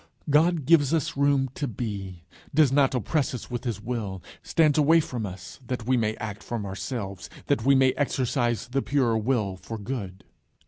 God gives us room to be; does not oppress us with his will; "stands away from us," that we may act from ourselves, that we may exercise the pure will for good.